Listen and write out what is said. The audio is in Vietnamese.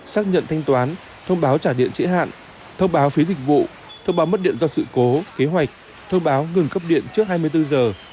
xác nhận thanh toán thông báo trả điện trễ hạn thông báo phí dịch vụ thông báo mất điện do sự cố kế hoạch thông báo ngừng cấp điện trước hai mươi bốn giờ